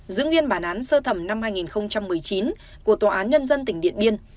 giữ nguyên bản án sơ thẩm năm hai nghìn một mươi chín của tòa án nhân dân tỉnh điện biên